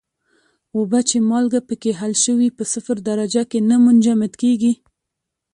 اوبه چې مالګه پکې حل شوې په صفر درجه کې نه منجمد کیږي.